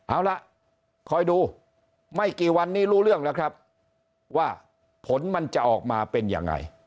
เอาล่ะคอยดูไม่กี่วันนี้รู้เรื่องแล้วครับว่าผลมันจะออกมาเป็นยังไง